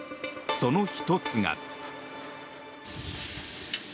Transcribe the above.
その１つが。